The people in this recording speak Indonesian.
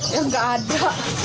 ya nggak ada